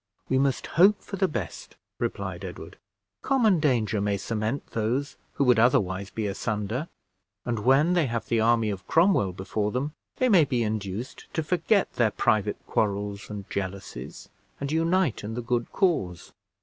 "We must hope for the best," replied Edward; "common danger may cement those who would otherwise be asunder; and when they have the army of Cromwell before them, they may be induced to forget their private quarrels and jealousies, and unite in the good cause."